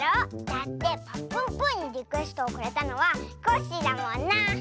だって「ぱっぷんぷぅ」にリクエストをくれたのはコッシーだもんな。